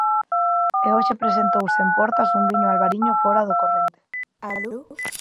E hoxe presentouse en Portas un viño Albariño fóra do corrente.